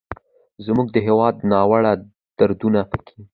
زموږ د هېواد ناوړه دودونه پکې